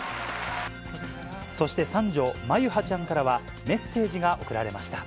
そして三女、真結羽ちゃんからはメッセージが送られました。